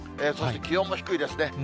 そして気温も低いですね。